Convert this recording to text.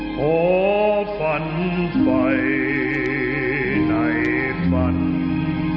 เพราะฝันไฟในฝันอันเรือชีวิต